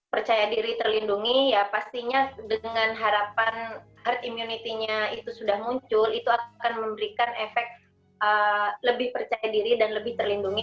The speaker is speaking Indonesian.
percaya diri terlindungi ya pastinya dengan harapan herd immunity nya itu sudah muncul itu akan memberikan efek lebih percaya diri dan lebih terlindungi